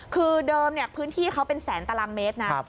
คือเดิมพื้นที่เขาเป็นแสนตารางเมตรนะ